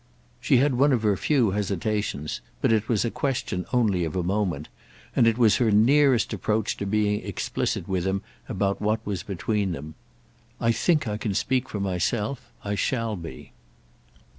She had one of her few hesitations, but it was a question only of a moment; and it was her nearest approach to being explicit with him about what was between them. "I think I can speak for myself. I shall be."